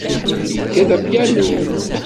Yekkat apyanu?